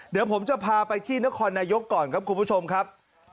เดี๋ยวผมจะพาไปที่นครนายกก่อนครับคุณผู้ชมครับ